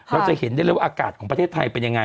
เราจะเห็นได้เลยว่าอากาศของประเทศไทยเป็นยังไง